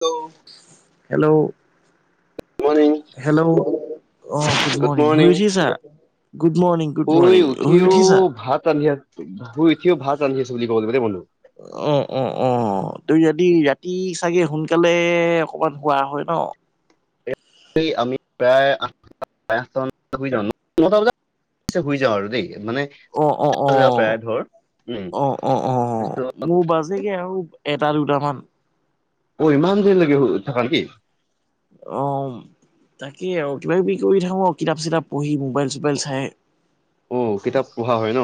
Hello hello morning hello! অ good morning শুই উঠিছা গুড মৰ্ণিং। গুড শুই মৰ্ণিং উঠিও উঠিছা ভাত ৰান্ধি আ, শুই উঠিও ভাত ৰান্ধি আছে বুলি ক'ব লাগিব দেই বন্ধু। অ অ অ ত যদি ৰাতি চাগে সোনকালে অকমান শুৱা হয় ন? এই আমি প্ৰায় আঠটা চাৰে আঠটা মানট শুই যাওঁ [inaudible] ন টা বজাত পিছত শুই যাওঁ আৰু দেই মানে অ অ অ [inaudible] প্ৰায় ধৰ উম তাৰপিছত চাগে আৰু এটা দুটামান। অ ইমান দেৰিলৈকে শুই থকা নেকি? অম। তাকে আৰু কিবা কিবি কৰি থাকো আৰু কিতাপ-চিতাপ পঢ়ি মোবাইল-চোবাইল চাই। অ কিতাপ পঢ়া হয় ন?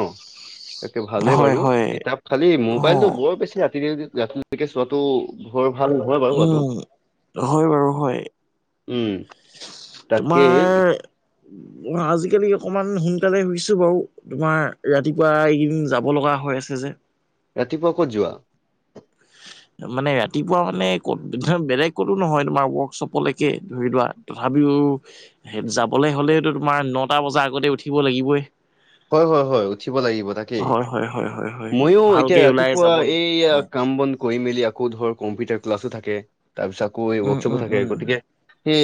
তাকে ভালেই হয় বাৰু, হয় কিতাপ খালি অ মোবাইলটো বৰ বেছি ৰাতি ৰাতিলৈকে চোৱা টো ভৰ ভাল নহয় বাৰু হোৱাটো। উম হয় বাৰু হয় উম তাকে তোমাৰ অ আজিকালি অকমান সোনকালে শুইছো বাৰু। তোমাৰ ৰাতিপুৱা এইকেইদিন যাব লগা হৈ আছে যে ৰাতিপুৱা ক'ত যোৱা? মানে ৰাতিপুৱা মানে ক'ত বেলেগতো নহয় তোমাৰ ৱৰ্কশ্বপলৈকে ধৰি লোৱা। তথাপিও সেই যাবলৈ হ'লেতো তোমাৰ নটা বজাৰ আগতে উঠিব লাগিবই। উ হয় হয় হয়। উঠিব লাগিব তাকেই হয় হয় হয় হয় হয় ময়ো এতিয়া ভালকে ওলাই ৰাতিপুৱা যাবলৈ এইয়া অ কাম বন। কৰি মেলি আকৌ ধৰ কম্পিউটাৰ ক্লাছো থাকে। তাৰপিছত আকৌ এই উম ৱৰ্কশ্বপো উম থাকে। উম গতিকে সেই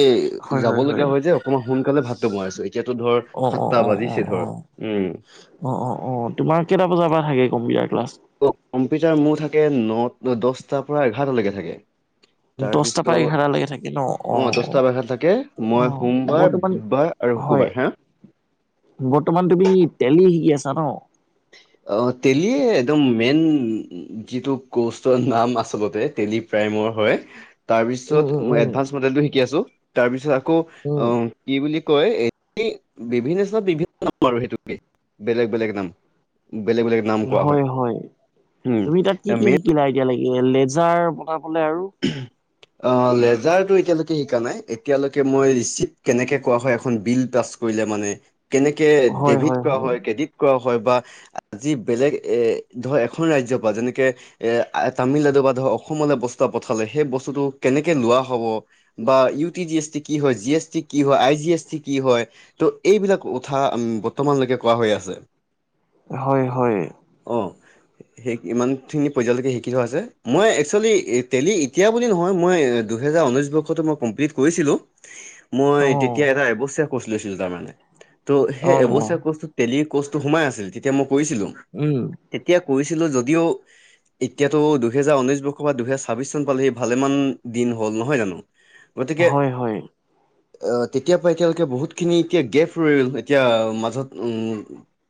যাব লগগীয়া হয় যে অকমান সোনকালে ভাতটো বনাই আছো এতিয়াতো ধৰ অ অ সাতটা অ অ অ বাজিছে ধৰ। উম অ অ অ তোমাৰ কেইটা বজাৰ পৰা থাকে কম্পিউটাৰ ক্লাছ ক কম্পিউটাৰ মোৰ থাকে ন দহটাৰ পৰা এঘাৰটালৈকে থাকে। দহটাৰ তাৰপিছত পৰা এঘাৰটালৈকে থাকে ন অ দহটা বাষাত থাকে মই অ' সোমবাৰ বৰ্তমান বুধবাৰ আৰু হয় শুকুবাৰ হাঁ? বৰ্তমান তুমি টেলি শিকি আছা ন? অ, টেলি একদম মেইন উ উম যিটো কৌষ্টৰ নাম আচলতে টেলি প্ৰাইমৰ হয়, তাৰপিছত উম, উম, মই উম, এডভাঞ্চ মডেলটো শিকি আছোঁ, তাৰপিছত আকৌ, উম, অহ, কি বুলি কয় এই বিভি [unintelligible] বিভি [unintelligible] নাম আৰু সেইটোকে, বেলেগ বেলেগ নাম। বেলেগ বেলেগ নাম উম কোৱা হয়, হয়, উম তুমি তাত কি কি মেইন হিকিলা এতিয়ালৈকে লেডজাৰ বনাবলে আৰু? [unintelligible] অ, লেজাৰটো এতিয়ালৈকে হিকা নাই, এতিয়া লৈকে মই ৰিচিভ কেনেকে কৰা হয় এখন বিল টাচ কৰিলে মানে, কেনেকে ডেভিট কৰা হয়, ক্ৰেডিট কৰা হয় বা আজি বেলেগ এ ধৰ এখন ৰাজ্যৰ পা যেনেকে এ আ তামিলনাডু বা ধৰ অসমলে বস্তা পঠালে সেই বস্তুটো কেনেকে লোৱা হ'ব বা U T G S T কি হয়, জি এছ টি কি হয়, আই জি এছ টি কি হয় ত' এইবিলাক উথা অম, বৰ্তমানলৈকে কোৱা হৈ আছে। হয়, হয়। অ, সেই ইমানখিনি পৰ্যায়লৈকে হিকি লোৱা হৈছে, মই একচুৱেলি এ টেলি এতিয়া বুলি নহয় মই এ দুহেজাৰ ঊনৈছ বৰ্ষতে মই কমপ্লিট কৰিছিলোঁ, মই তে অ', তিয়া এটা এবছীয়া কৰ্চ লৈছিলোঁ তাৰমানে, ত' সেই অ', এবছয়া কৰ্চটোত টেলি কৰ্চটো সোমাই আছিল তেতিয়া মই কৰিছিলোঁ। উম, তেতিয়া কইছিলোঁ যদিও এতিয়াটো দুহেজাৰ ঊনৈশ বৰ্ষৰ পা দুহেজাৰ ছা ছাব্বিছ চন পালেহি ভালেমান দিন হ'ল নহয় জানো? গতিকে হয়, হয়, আহ তেতিয়া পা এতিয়ালেকে বহুতখিনি এতিয়া গেপ ৰ'ল এতিয়া মাজত উম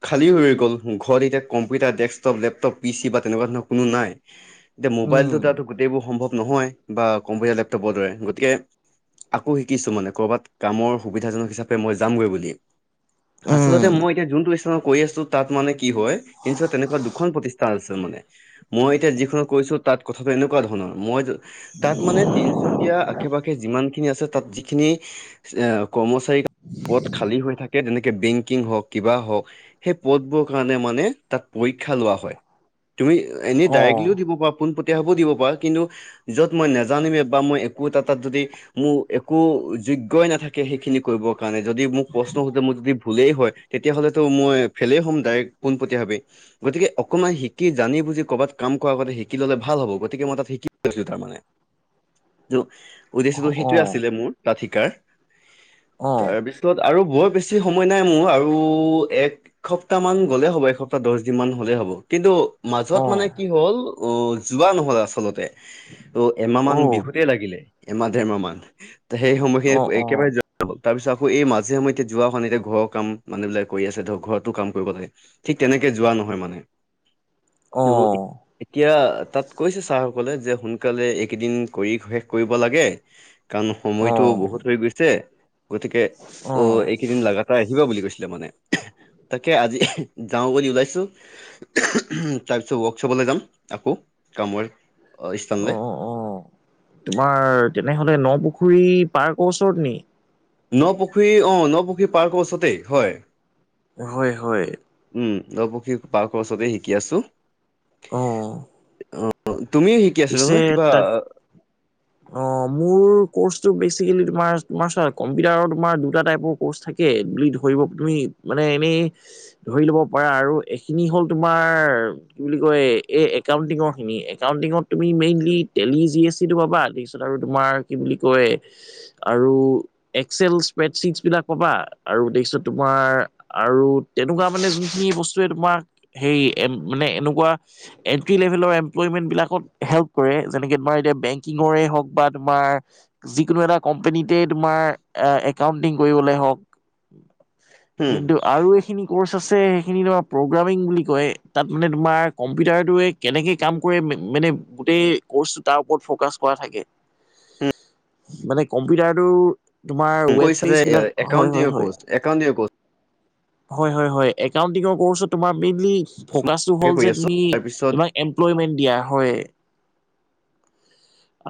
খালী হৈ গ'ল উম, ঘৰত এতিয়া computer, desktop, laptop, P C বা তেনেকুৱা ধৰণৰ কোনো নাই। এতিয়া উম, মোবাইলটোৰ দাৰা গোটেইবোৰ সম্ভৱ নহয় বা কম্পিউটাৰ, লেপটপৰ দৰে গতিকে আকৌ হিকিছো মানে ক'ৰবাত কামৰ সুবিধাজনক হিচাপে মই যামগৈ বুলি। উম, আচলতে মই এতিয়া যোনটো স্থানত কই আছোঁ তাত মান কি হয় [unintelligible] তেনেকুৱা দুখন প্ৰতিষ্ঠান মানে, মই এতিয়া যিখনত কইছোঁ তাত কথা এনেকুৱা ধৰণৰ, মই য তাত মানে তিনচু কীয়া আশে-পাশে যিমান খিনি আছে তাত যিখিনি, এ কৰ্মচাৰী পদ খালী হৈ থাকে যেনেকে বেংকিং হওঁক কিবা হওঁক, সেই পদবোৰ কাৰণে মানে তাত পৰীক্ষা লোৱা হয়, তুমি [unintelligible] এনে অ', ডায়েকলিও দিব পা পোনপটীয়াভাৱেও দিব পা কিন্তু য'ত মই নেজানিমেই বা মই একো এটা তাত যদি মো একো যোগ্যই নাথাকে সেইখিনি কৰিবৰ কাৰণে যদি মোক প্ৰশ্ন সুধে মো যদি ভুলেই হয় তেতিয়াহ'লেতো মই ফেলেই হ'ম ডায়েক পোনপটীয়াভাৱে। গতিকে অকমান হিকি জানি বুজি ক'বাত কাম কৰা আগতে হিকি ল'লে ভাল হ'ব গতিকে মই তাত হিকি [unintelligible] ছিলো তাৰমানে, [unintelligible] উদ্দেশ্যটো অ', সেইটোৱে অ', আছিলে মোৰ তাত হিকাৰ, অ', তাৰপিছ তাত আৰু বৰ বেছি সময় নাই মোৰ আৰু এক এসপ্তাহ মান গ'লেই হ'ব, এসপ্তাহ দচ দিন মান হ'লেই হ'ব, কিন্তু মাজত অ', মানে অ', কি হ'ল অ, যোৱা নহ'ল আচলতে। ত' এমাহ মান অ', বিহুতেই লাগিলে, এমাহ দেৰমাহ মান। তে সেই সময় সেই অ', এইকেবাৰে [unintelligible] তাৰপিছত আকৌ এই মাজে সময়ে এতিয়া যোৱা হোৱা নাই এতিয়া ঘৰ কাম মানুহ বিলাক কৰি আছে, ধৰ ঘৰতো কাম কৰিব লাগে। ঠিক তেনেকে যোৱা নহয় মানে, ত' অ', এত-এতিয়া তাত কৈছে ছাৰসকলে যে সোনকালে এইকেইদিন কৰি শেষ কৰিব লাগে। কাৰণ সময়টো বহুত হৈ গৈছে, গতিকে অ এইকেইদিন লাগা। তাই আহিব বুলি কৈছিলে মানে, তাকে আজি যাওঁ বুলি ওলাইছো। তাৰপিছত ৱৰ্কশ্বপলৈ যাম আকৌ কামৰ স্থানলে। অঁ তোমাৰ তেনেহ'লে নপুখুৰী পাৰ্কৰ ওচৰত নি? নপুখুৰী অ নপুখুৰী পাৰ্কৰ ওচৰতেই হয়। হয় হয়। উম ন পুখুৰিৰ পাৰ্কৰ ওচৰতে শিকি আছো। অ। অ তুমি শি পিছে তাক [inaudible] অঁ মোৰ ক'ৰ্চটো বেচিকেলি তোমাৰ তোমাৰ চোৱা কম্পিউটাৰৰ তোমাৰ দুটা টাইপৰ কৰ্চ থাকে বুলি ধৰিব তুমি মানে এনেই ধৰি ল'ব পাৰা আৰু এখিনি হ'ল তোমাৰ কি বুলি কয়? এই একাউণ্টিঙৰ খিনি, একাউণ্টিঙত তুমি মেইনলি টেলি জি এছিটো পাবা। তাৰপিছত আৰু তুমাৰ কি বুলি কয় আৰু এক্সেল স্প্ৰেডছিক্স বিলাক পাবা, আৰু দেখিছো তোমাৰ আৰু তেনেকুৱা মানে যোনখিনি বস্তুৱে তোমাক সেই এ মানে এনেকুৱা এণ্ট্ৰি লেভেলৰ এমপ্লয়মেণ্টবিলাকত হেল্প কৰে। যেনেকে তোমাৰ এতিয়া বেংকিঙৰে হওক বা তোমাৰ যিকোনো এটা কোম্পানীতে তোমাৰ আ একাউন্টিং কৰিবলে হওঁক। উম, কিন্তু আৰু এইখিনি ক'ৰ্চ আছে সেইখিনি তোমাৰ প্ৰগ্ৰামিং বুলি কয়। তাত মানে তোমাৰ কম্পিউটাৰটোৱে কেনেকে কাম কৰে মে মানে গোটেই কৰ্চটো তাৰ ওপৰত ফকাচ কৰা থাকে। মানে কম্পিউটাৰটো তোমাৰ উম, কৈছা যে ৱেবপেজ বিলাক, হয় হয় একাউণ্টিঙৰ হয়। কৰ্চ একাউণ্টিঙৰ হয় হয় হয়। একাউণ্টিঙৰ কৰ্চত তোমাৰ মেইনলি ফ'কাচটো কৰ্চ হ'ল কৰি যে আছো তুমি তাৰপিছত তোমাক এমপ্লয়মেণ্ট দিয়া হয়।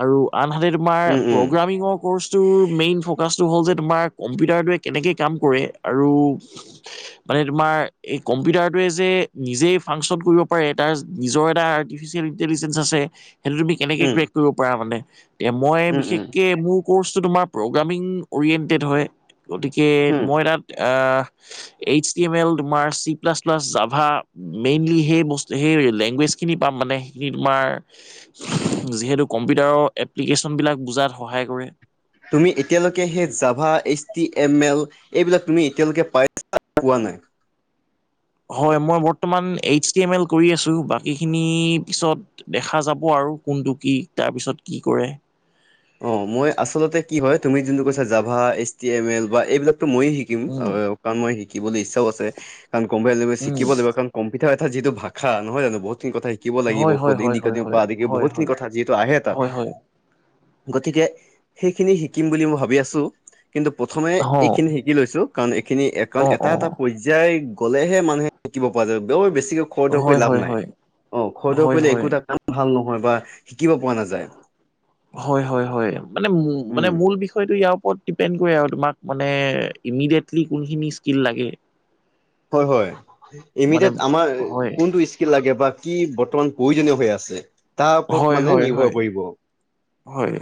আৰু আনহাতে তোমাৰ উম, উম, প্ৰগ্ৰামিঙক কৰ্চটোৰ মেইন ফকাচটো হ'ল যে তোমাৰ কম্পিউটাৰটোৱে কেনেকে কাম কৰে আৰু মানে তোমাৰ এই কম্পিউটাৰটোৱে যে নিজেই ফাংচন কৰিব পাৰে। তাৰ নিজৰ এটা আৰ্টিফিচিয়েল ইণ্টেলিজেঞ্চ আছে, সেইটো তুমি কেনেকে হুম, ক্ৰেক কৰিব পাৰা মানে? এতিয়া মই উম, উম, বিশেষকে মোক কৰ্চটো তোমাৰ প্ৰগ্ৰামিং অৰিয়েণ্টেড হয়। গতিকে হুম, মই তাত আহ এইচ তি এম এল তোমাৰ C plus plus Java. Mainly সেই বস সেই লেংগুৱেজ খিনি পাম মানে সেইখিনি তোমাৰ যিহেতু কম্পিউটাৰৰ এপ্লিকেশ্যনবিলাক বুজাত সহায় কৰে। তুমি এতিয়ালৈকে সেই Java, H T M L এইবিলাক তুমি এতিয়ালৈকে পাইছা নে পোৱা নাই? হয় মই বৰ্তমান এইচ টি এম এল কৰি আছোঁ। বাকীখিনি পিছত দেখা যাব আৰু কোনটো কি তাৰপিছত কি কৰে। অ মই আচলতে কি হয় তুমি যোনটো কৈছা Java, H T M L বা এইবিলাকতো মই শিক শিকিম উম কাৰণ মই শিকিবলে ইচ্ছাও আছে। কাৰণ কম্পালছৰি উম শিকিব লাগিব কাৰণ কম্পিউটাৰ এটাৰ যিটো ভাষা নহয় জানো? বহুতখিনি কথা শিকিব লাগিব। হয় হয় ক'ত হয় ইনদিকা হয় দিও বা হয় আদিকেও হয় বহুতখিনি হয় কথা যিহেতু আহে তাত, হয় হয় গতিকে সেইখিনি শিকিম বুলি মই ভাবি আছো, কিন্তু প্ৰথমে এইখিনি অ শিকি লৈছো, কাৰণ এইখিনি অ কাৰণ এটা এটা পৰ্যায় গ'লেহে মানুহে শিকিব পৰা যায় বৰ বেছিকৈ অ খৰ-ধৰ কৰি হয় লাভ হয় নাই, হয় অ' খৰ-ধৰ হয় কৰিলে হয় একোটা কাম ভাল নহয় বা শিকিব পৰা নাযায়। হয়-হয়-হয়, মানে মানে উম মূল বিষয়টো ইয়াৰ ওপৰত ডিপেণ্ড কৰে আৰু তোমাক মানে ইমিডিয়েটলি কোনখিনি স্কিল লাগে। হয়, হয় মানে এমিডিয়েত আমাৰ হয় কোনটো স্কি কি লাগে বা কি বৰ্তমান প্ৰয়োজনীয় হৈ আছে। তাৰ ওপৰত হয় মানে হয় নিৰ্ভৰ হয় কৰিব। হয়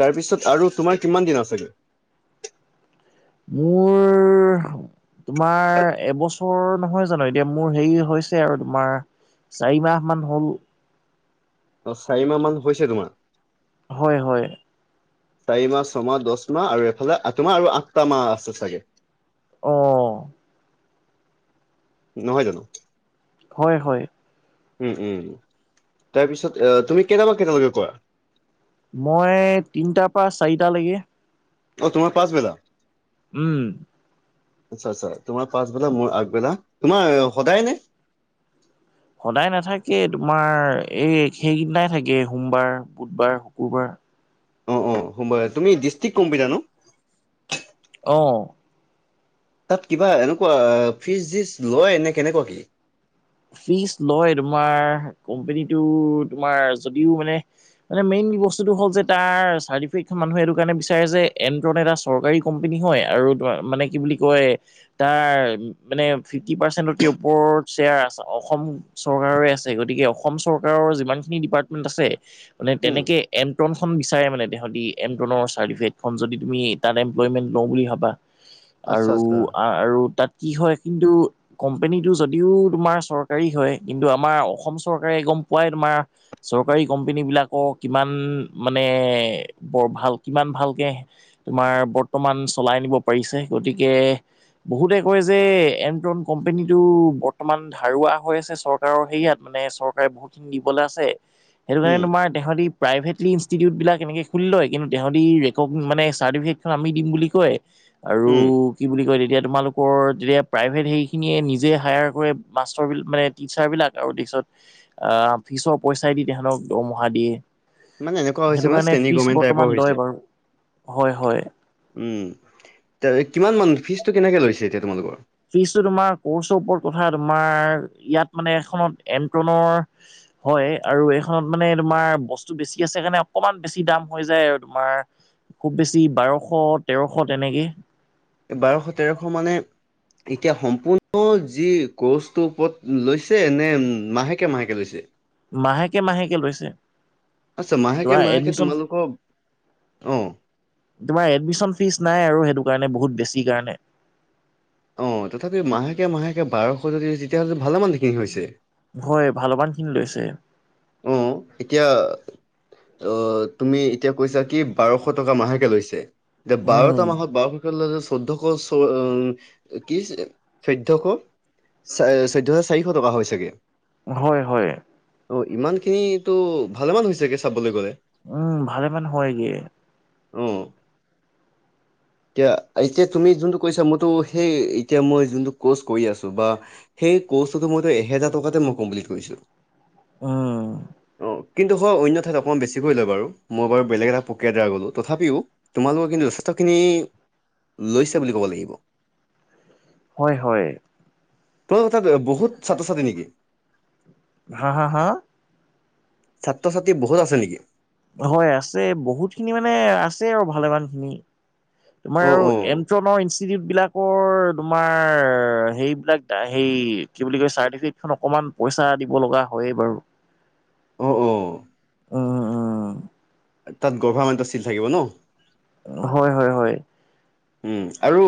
তাৰ পিছত আৰু তোমাৰ কিমান দিন আছেগৈ? মোৰ, তোমাৰ এবছৰত নহয় জানো, এতিয়া মোৰ হেৰি হৈছে আৰু তোমাৰ চাৰি মাহ মান হ'ল। অ' চাৰি মাহ মান হৈছে তোমাৰ? হয়, হয়। চাৰি মাহ, ছমাহ, দচ মাহ আৰু এইফালে তোমাৰ আৰু আঠটা মাহ আছে চাগে? অ'। নহয় জানো? হয়, হয়। উ'ম, উ'ম তাৰ পিছত এ তুমি কেইটাৰ পৰা কেইটালৈকে কৰা? মই তিনটাৰ পৰা চাৰিটালেকে। অ', তোমাৰ পাঁচবেলা? উ'ম। আচ্ছা আচ্ছা তোমাৰ পাচবেলা, মোৰ আগবেলা তোমাৰ সদায় নে? সদায় নাথাকে তোমাৰ এই সেইকেইদিনাই থাকে সোমবাৰ, বুধবাৰ, শুকুৰবাৰ। অ' অ 'সোমবাৰে, তুমি ডিছটিক কম্পিউটাৰ ন? অ'। তাত কিবা এনেকুৱা ফিচ জিচ লয় নে কেনেকুৱা কি? ফিজ লয়, তোমাৰ কোম্পেনীটো তোমাৰ যদিও মানে মানে মেইন বস্তুতো হ'ল যে তাৰ চাৰ্টিফিকেটখন মানুহে এইটো কাৰণে বিচাৰে যে এনট্ৰন এটা চৰকাৰী কোম্পানী হয় আৰু মানে কি বুলি কয় তাৰ মানে ফিফটি পাৰ্চেন্টত কে ওপৰত শ্বেয়াৰ আছে অসম চৰকাৰৰে আছে গতিকে অসম চৰকাৰৰ যিমান খিনি ডিপাৰ্টমেন্ট আছে মানে উম তেনেকে এমট্ৰনখন বিচাৰে মানে তহঁতি এমট্ৰনৰ চাৰ্টিফিকেটখন যদি তুমি তাত এমপ্লয়মেণ্ট লওঁ বুলি ভাবা। [unintelligible] আৰু আচ্ছা আৰু তাত কি হয় কিন্তু কোম্পনীটো যদিও তোমাৰ চৰকাৰী হয়, কিন্তু আমাৰ অসম চৰকাৰে গম পোৱাই তোমাৰ চৰকাৰী কোম্পানী বিলাকৰ কিমান মানে বৰ ভাল কিমান ভালকে তোমাৰ বৰ্তমান চলাই নিব পাৰিছে, গতিকে বহুতে কয় যে এণ্টন কোম্পেনীটো বৰ্তমান ধাৰুৱা হৈ আছে চৰকাৰৰ হেৰিয়াত মানে চৰকাৰে বহুত খিনি দিবলৈ আছে, সেইটো কাৰণে উম তোমাৰ তেহঁতি প্ৰাইভেটলি ইনষ্টিটিউটবিলাক এনেকৈ খুলি লয়, কিন্তু তেহঁতি ৰেকগ মানে চাৰ্টিফিকেটখন আমি দিম বুলি কয় আৰু হু'ম। কু কি বুলি কয় তেতিয়া, তোমালোকৰ তেতিয়া প্ৰাইভেট হেইখিনিয়ে নিজে হায়াৰ কৰে মাষ্টৰ বিলাক মানে টিচাৰ বিলাক আৰু তিৰিছত আ'হ, ফিচৰ পইচাই দি তাহঁতক দৰমহা দিয়ে। মানে এনেকুৱা হৈছে সেইটো মানে কাৰণে চেনী ফিজ গভমেণ্ট টাইপৰ বৰ্তমান হৈছে লয় বাৰু হয়, হয়। উ'ম, কিমান মান ফিজটো কেনেকে লৈছে এতিয়া তোমালোকৰ? ফিজটো তোমাৰ কৰ্চৰ ওপৰত কথা তোমাৰ ইয়াত মানে এখনত এমট্ৰনৰ হয় আৰু এইখনত মানে তোমাৰ বস্তু বেছি আছে কাৰণে অকমান বেছি দাম হৈ যায় আৰু তোমাৰ খুব বেছি বাৰ শ তেৰ শ তেনেকে। বাৰ শ তেৰ শ মানে এতিয়া সম্পূৰ্ণ যি কৰ্চটোৰ ওপৰত লৈছে নে মাহেকে মাহেকে লৈছে? মাহেকে মাহেকে লৈছে। আচ্ছা মাহেকে তোমাৰ মাহেকে এডমিশন তোমালোকৰ অ। তোমাৰ এডমিশ্যন ফিজ নাই আৰু সেইটো কাৰণে বহুত বেছি কাৰণে। অঁ তথাপিও মাহেকে মাহেকে বাৰ শ যদি তেতিয়া হ'লে ভালেমানখিনি হৈছে। ভ ভালমানখিনি লৈছে। অ এতিয়া অ তুমি এতিয়া কৈছা কি বাৰ শ টকা মাহকে লৈছে, এতিয়া উম বাৰটা মাহত বাৰশ ল'লে চৈধ্য শ কি চৈধ্য শ চাই চৈধ্য শ চাৰিশ টকা হয় ছাগে। হয় হয়। ইমানখিনিটো ভালেমান হৈছেগে চাবলে গ'লে। উম ভালেমান হয়গে। ও। এতিয়া এতিয়া তুমি যোনটো কৈছা মইতো সেই এতিয়া মই যোনটো কৰ্চ কৰি আছো বা সেই ক'ৰ্চটোটো মইতো এহেজাৰ টকাতে মই কমপ্লিত কৰিছো। অঁ। অ কিন্তু হয় অন্য ঠাইত অকণমান বেছিকৈ লয় বাৰু, মই বাৰু বেলেগ এটা প্ৰক্ৰিয়াৰ দ্বাৰা গ'লোঁ তথাপিও তোমালোকৰ কিন্তু যথেষ্টখিনি লৈছে বুলি ক'ব লাগিব। হয় হয়। ত তাত বহুত ছাত্ৰ ছাত্ৰী নেকি? হা হা হা? ছাত্ৰ ছাত্ৰী বহুত আছে নেকি? হয় আছে বহুতখিনি মানে আছে আৰু ভালেমান খিনি। তোমাৰ অ' আৰু অ' এমট্ৰনৰ ইনষ্টিটিউট বিলাকৰ তোমাৰ সেইবিলাক সেই কি বুলি কয় চাৰ্টিফিকেটখন অকণমান পইচা দিব লগা হয়েই বাৰু। অ' অ' উম উম। তাত গৰ্ভামেন্তৰ চিল থাকিব ন? হয় হয় হয়। উম আৰু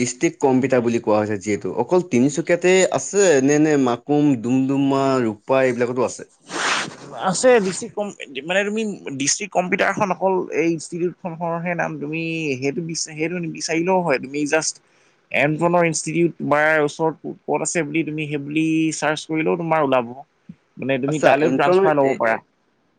ডিষ্ট্ৰিক কম্পিতাৰ বুলি কোৱা হৈছে যিহেতু অকল তিনিচুকী [inaudible] কিয়াতে আছে নে নে মাকুম, ডুমডুমা, ৰূপাই এইবিলাকতো আছে? আছে ডিষ্ট্ৰিক কম মানে তুমি ডিষ্ট্ৰিক কম্পিউটাৰখন অকল এই ইনষ্টিটিউট [inaudible] হে নাম তুমি সেইটো বিচ সেইটো নিবিচাৰিলেও হয় তুমি জাষ্ট এনট্ৰণৰ ইনষ্টিটিউট তোমাৰ ওচৰত ক'ত আছে বুলি তুমি সেই বুলি চাৰ্চ কৰিলেও তোমাৰ ওলাব। মানে তুমি আচ্ছা তালেও এণ্ট্ৰনৰ ট্ৰান্সফাৰ এ ল'ব এ পাৰা।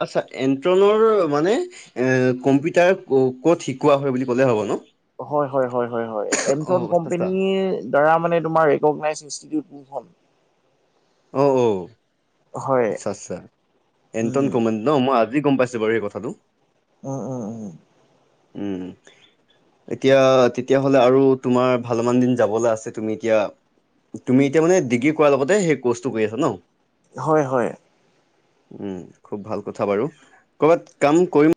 আচ্ছা এণ্ট্ৰনৰ মানে এ কম্পিউটাৰ ক'ত শিকোৱা হয় বুলি ক'লে হ'ব ন? হয় হয় হয় হয় হয় এমট্রণ অ' আচ্ছা আচ্ছা কোম্পানীৰ! দ্বাৰা মানে তোমাৰ ৰিকগ্নাইছ ইনষ্টিটিউট কোনখন? অঁ অ হয় আচ্ছা আচ্ছা এমন্ত্ৰণ উম কমেন! ন মই আজি গম পাইছো বাৰু এই কথাটো। অঁ অঁ উম এতিয়া তেতিয়াহলে আৰু তোমাৰ ভালেমান দিন যাবলে আছে তুমি এতিয়া! তুমি এতিয়া মানে ডিগ্ৰী কৰাৰ লগতে সেই ক'ৰ্চটো কৰি আছা ন? হয় হয় উম খুব ভাল কথা বাৰু, কৰ'বাত কাম কৰিম!